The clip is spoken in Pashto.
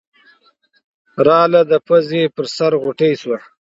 راغله د پوزې پۀ سر غوټۍ شوه